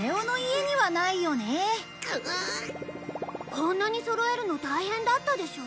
こんなにそろえるの大変だったでしょ？